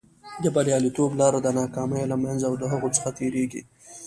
د بریالیتوب لاره د ناکامیو له منځه او د هغو څخه تېرېږي.